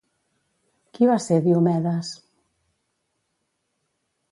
Qui va ser Diomedes?